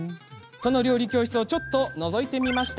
その料理教室をちょっとのぞいてみました。